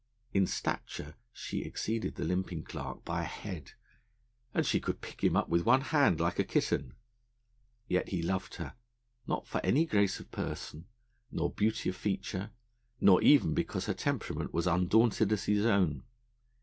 In stature she exceeded the limping clerk by a head, and she could pick him up with one hand, like a kitten. Yet he loved her, not for any grace of person, nor beauty of feature, nor even because her temperament was undaunted as his own.